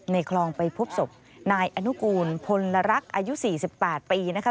คลองไปพบศพนายอนุกูลพลรักอายุ๔๘ปีนะคะ